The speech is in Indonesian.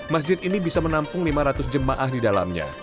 masjid ini bisa menampung lima ratus jemaah di dalamnya